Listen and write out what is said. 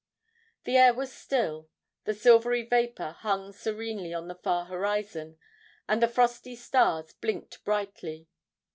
The air was still. The silvery vapour hung serenely on the far horizon, and the frosty stars blinked brightly.